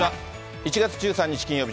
１月１３日金曜日、